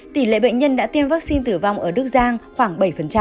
tỷ lệ bệnh nhân đã tiêm vaccine tử vong ở đức giang khoảng bảy